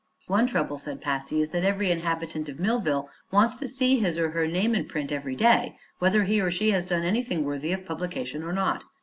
"One trouble," said Patsy, "is that every inhabitant of Millville wants to see his or her name in print every day, whether he or she has done anything worthy of publication or not.